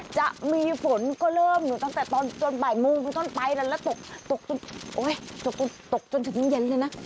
จะมีฝนก็เริ่มตั้งแต่ตอนจนบ่ายมุมตอนไปแล้วแล้วตกจนเย็นเลยนะ